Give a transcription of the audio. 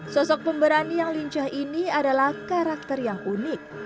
sosok pemberani yang lincah ini adalah karakter yang unik